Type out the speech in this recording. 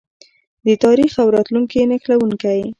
د تاریخ او راتلونکي نښلونکی.